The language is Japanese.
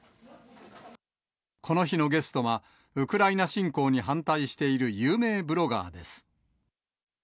この日のゲストは、ウクライナ侵攻に反対している有名ブロガーです。